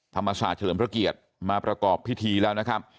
ธรรมศาสตร์เฉลิมพระเกียรติมาประกอบพิธีแล้วนะครับ